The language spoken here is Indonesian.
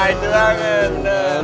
itu lah itu